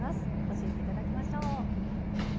教えていただきましょう。